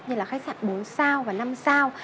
như là khách sạn bốn sao và năm sao